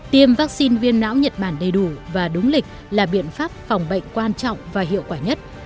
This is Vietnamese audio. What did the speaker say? tiêm vắc xin viêm não nhật bản đầy đủ và đúng lịch là biện pháp phòng bệnh quan trọng và hiệu quả nhất